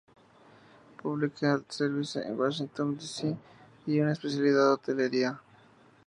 Public Health Service en Washington D. C. y una especialidad en Hotelería.